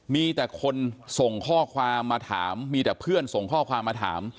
มีแต่คนส่งข้อความมาถามมีแต่เพื่อนส่งข้อความมาถาม